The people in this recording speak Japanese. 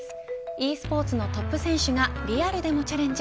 ｅスポーツのトップ選手がリアルでもチャレンジ。